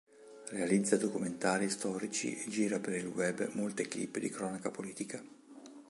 Realizza documentari storici e gira per il web molte clip di cronaca politica.